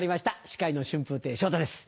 司会の春風亭昇太です。